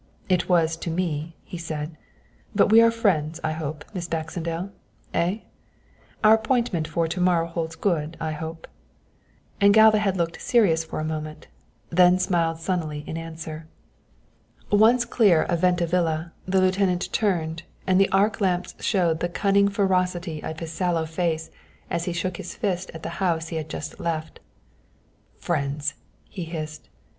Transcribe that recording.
"It was to me," he said; "but we are friends, I hope, Miss Baxendale, eh? Our appointment for to morrow holds good, I hope?" And Galva had looked serious for a moment, then smiled sunnily in answer. Once clear of Venta Villa, the lieutenant turned, and the arc lamps showed the cunning ferocity of his sallow face as he shook his fist at the house he had just left. "Friends!" he hissed.